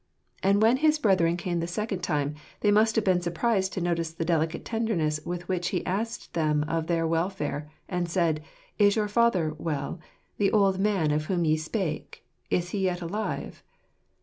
And when his brethren came the second time, they must have been surprised to notice the delicate tenderness with which he asked them of their welfare, and said, "Is your father well, the old man of whom ye spake? is he yet alive?"